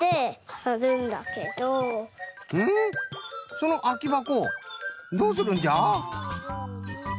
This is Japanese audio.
そのあきばこどうするんじゃ？